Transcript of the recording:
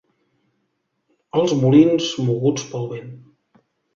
Els molins moguts pel vent.